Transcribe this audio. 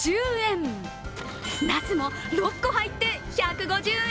なすも６個入って１５０円。